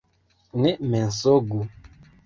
Ne mensogu!